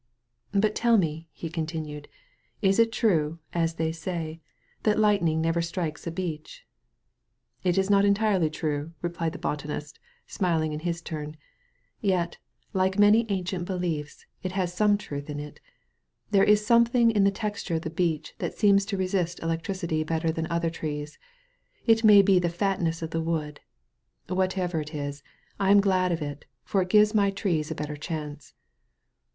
"But tell me,'* he continued, "is it true, as they say, that lightning never strikes a beech?" "It is not entirely true," replied the botanist, smiling in his turn, "yet, like many ancient behefs, 46 A SANCTUARY OP TREES it has some truth in it. There is something in the texture of the beech that seems to resist electricity better than other trees. It may be the fatness of the wood. Whatever it is, I am glad of it, for it gives my trees a better chance."